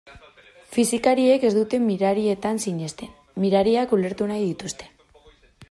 Fisikariek ez dute mirarietan sinesten, mirariak ulertu nahi dituzte.